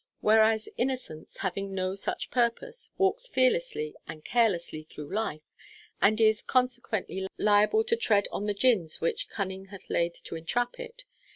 Whereas innocence, having no such purpose, walks fearlessly and carelessly through life, and is consequently liable to tread on the gins which cunning hath laid to entrap it.